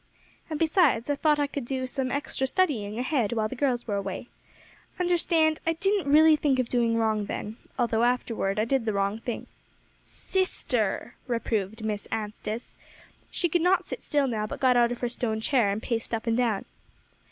And besides, I thought I could do some extra studying ahead while the girls were away. Understand, I didn't really think of doing wrong then; although afterward I did the wrong thing." "Sister!" reproved Miss Anstice. She could not sit still now, but got out of her stone chair, and paced up and down.